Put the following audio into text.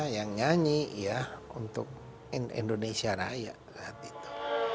yang nyanyi ya untuk indonesia raya saat itu